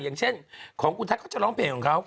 อย่างเช่นของคุณทักเขาจะร้องเพลงของเขา